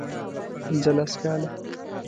پنځه لس کاله